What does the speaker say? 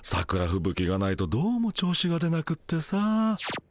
ふぶきがないとどうも調子が出なくてさ。